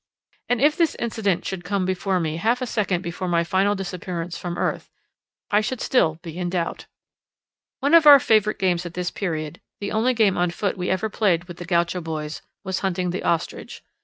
and if this incident should come before me half a second before my final disappearance from earth, I should still be in doubt. One of our favourite games at this period the only game on foot we ever played with the gaucho boys was hunting the ostrich.